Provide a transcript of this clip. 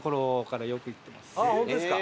ああ本当ですか。